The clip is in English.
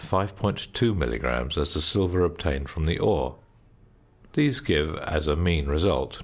2 milligrams as the silver obtained from the ore. These give, as a mean result, 0.